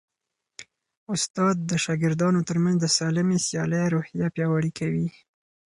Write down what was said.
استاد د شاګردانو ترمنځ د سالمې سیالۍ روحیه پیاوړې کوي.